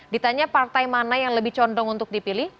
ditanya partai mana yang lebih condong untuk dipilih